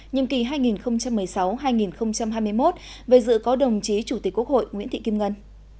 nhiệm kỳ hai nghìn một mươi sáu hai nghìn hai mươi một về dự có đồng chí chủ tịch quốc hội nguyễn thị kim ngân